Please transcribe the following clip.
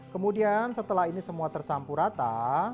kemudian setelah ini semua tercampur rata